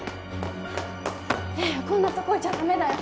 玲矢こんなとこいちゃダメだよ。